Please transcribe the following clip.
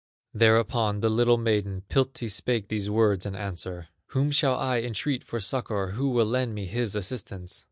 Thereupon the little maiden, Piltti, spake these words in answer: "Whom shall I entreat for succor, Who will lend me his assistance?"